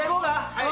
はい。